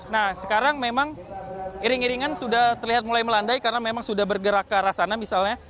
nah sekarang memang iring iringan sudah terlihat mulai melandai karena memang sudah bergerak ke arah sana misalnya